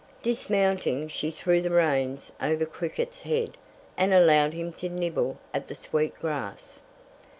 Dismounting, she threw the reins over Cricket's head and allowed him to nibble at the sweet grass.